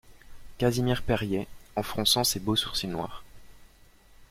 Casimir Perier, en fronçant ses beaux sourcils noirs.